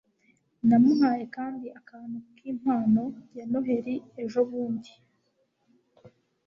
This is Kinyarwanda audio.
namuhaye kandi akantu nkimpano ya noheri ejobundi